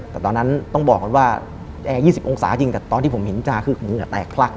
แต่ตอนนั้นต้องบอกคุณว่าแอร์๒๐องศาจริงแต่ตอนที่ผมเห็นมิชาคืองงอแตกพลักเลย